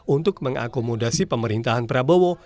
untuk mengakomodasi pemerintahan prabowo